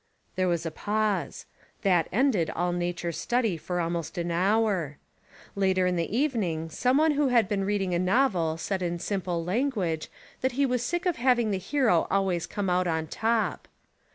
There was a pause. That ended all nature study for al most an hour. Later in the evening, some one who had been reading a novel said in simple language that he was sick of having the hero always come out on top.